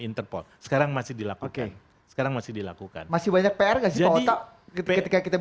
interpol sekarang masih dilakukan sekarang masih dilakukan masih banyak pr gak sih pak ota